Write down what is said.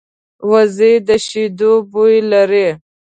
وزې د شیدو بوی لري